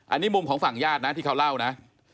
อันนี้มุมของฝั่งญาตินะที่เขาเล่านะ